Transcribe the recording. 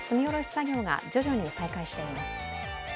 作業が徐々に再開しています。